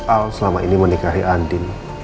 al selama ini menikahi andin